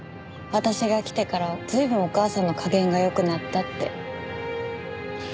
私が来てから随分お母さんの加減が良くなったって。